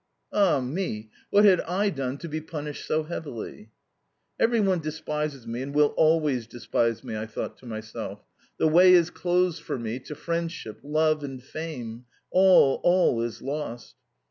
Ah me! What had I done to be punished so heavily? "Every one despises me, and will always despise me," I thought to myself. "The way is closed for me to friendship, love, and fame! All, all is lost!"